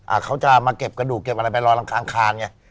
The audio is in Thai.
เขาจะมาเก็บกระดูกเก็บอะไรไปลอยรำคางคานไง